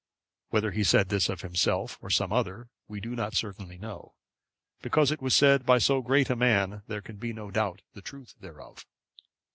Whether he said this of himself, or some other, we do not certainly know; but because it was said by so great a man, there can be no doubt of the truth thereof.